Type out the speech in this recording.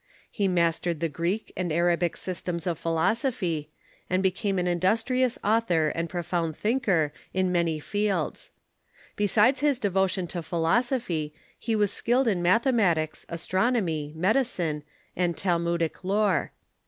He mastered the Greek and Arabic systems of philosophy, and became an industrious author and profound thinker in many fields. Besides his devotion to phi losophy, he was skilled in mathematics, astronomy, medicine, and Talmudic lore.